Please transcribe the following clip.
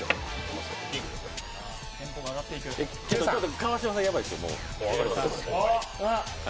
川島さん、やばいですよ、もう。